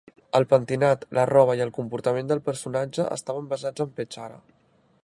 El pentinat, la roba i el comportament del personatge estaven basats en Petchara.